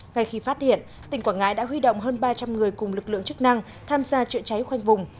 ngay khi phát hiện tỉnh quảng ngãi đã huy động hơn ba trăm linh người cùng lực lượng chức năng tham gia chữa cháy khoanh vùng